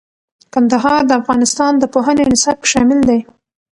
کندهار د افغانستان د پوهنې نصاب کې شامل دی.